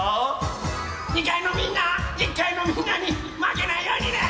２かいのみんな１かいのみんなにまけないようにね！